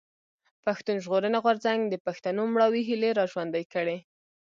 پښتون ژغورني غورځنګ د پښتنو مړاوي هيلې را ژوندۍ کړې.